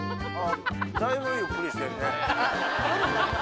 だいぶゆっくりしてるね。